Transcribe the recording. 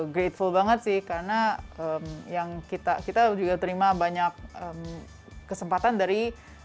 greatful banget sih karena yang kita kita juga terima banyak kesempatan dari